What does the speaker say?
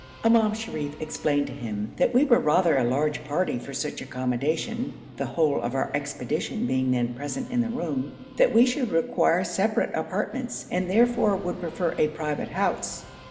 Imam Sharif explained to him that we were rather a large party for such accommodation (the whole of our expedition being then present in the room), that we should require separate apartments, and, therefore, would prefer a private house.